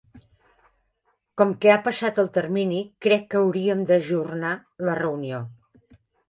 Com que ha passat el termini, crec que hauríem d'ajornar la reunió.